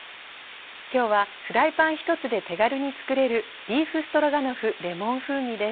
今日はフライパン１つで手軽に作れる「ビーフストロガノフレモン風味」です。